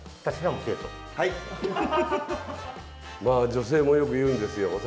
まあ女性もよく言うんですよ。